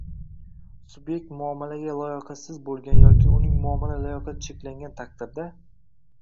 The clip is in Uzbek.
Subyekt muomalaga layoqatsiz bo‘lgan yoki uning muomala layoqati cheklangan taqdirda